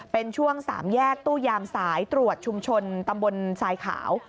เป็นช่วง๓แยกตู้ยามสายตรวจชุมชนตำบลทรายขาว